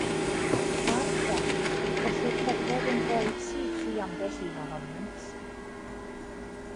Ar drai gellir cerdded yn droedsych i ambell un ohonynt.